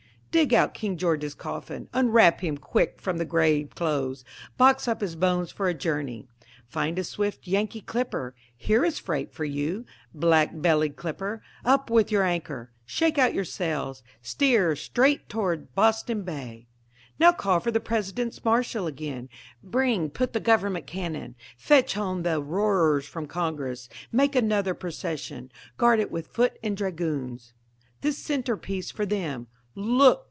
Dig out King George's coffin, unwrap him quick from the grave clothes, box up his bones for a journey; Find a swift Yankee clipper here is freight for you, black bellied clipper, Up with your anchor! shake out your sails! steer straight toward Boston bay. Now call for the President's marshal again, bring put the government cannon, Fetch home the roarers from Congress, make another procession, guard it with foot and dragoons. This centre piece for them: Look!